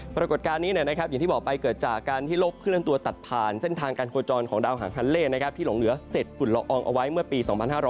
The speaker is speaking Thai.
ปรากฏการณ์นี้อย่างที่บอกไปเกิดจากการที่ลบเคลื่อนตัวตัดผ่านเส้นทางการโคจรของดาวหางฮันเล่ที่หลงเหลือเสร็จฝุ่นละอองเอาไว้เมื่อปี๒๕๕๙